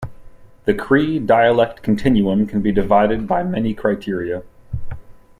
The Cree dialect continuum can be divided by many criteria.